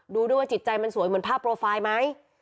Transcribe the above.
ดูด้วยว่าจิตใจมันสวยเหมือนภาพโปรไฟล์ไหม